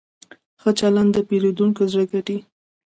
ښه چلند د پیرودونکي زړه ګټي.